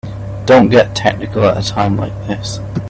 Don't get technical at a time like this.